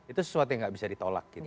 itu sesuatu yang gak bisa ditolak gitu ya